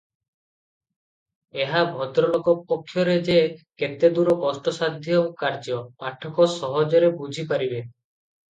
ଏହା ଭଦ୍ରଲୋକ ପକ୍ଷରେ ଯେ କେତେଦୂର କଷ୍ଟସାଧ୍ୟ କାର୍ଯ୍ୟ, ପାଠକ ସହଜରେ ବୁଝି ପାରିବେ ।